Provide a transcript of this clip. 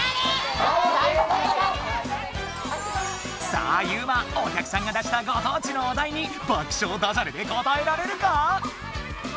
さあユウマお客さんが出したご当地のお題に爆笑だじゃれでこたえられるか？